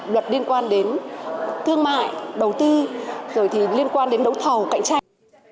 luật liên quan đến thương mại đầu tư rồi thì liên quan đến đấu thầu cạnh tranh